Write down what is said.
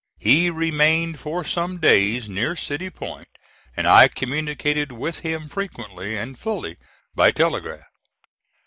He remained for some days near City Point, and I communicated with him frequently and fully by telegraph.